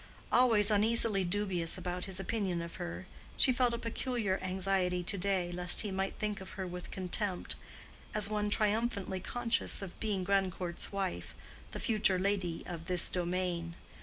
Always uneasily dubious about his opinion of her, she felt a peculiar anxiety to day, lest he might think of her with contempt, as one triumphantly conscious of being Grandcourt's wife, the future lady of this domain.